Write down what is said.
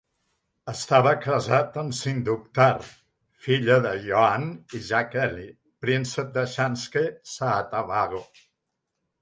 Estava casat amb Sindukhtar, filla de Ioann I Jaqeli, príncep de Samtskhe-Saatabago.